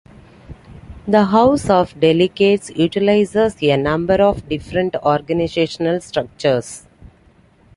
The House of Delegates utilizes a number of different organizational structures.